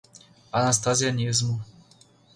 Anastasianismo